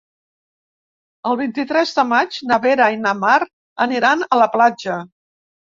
El vint-i-tres de maig na Vera i na Mar aniran a la platja.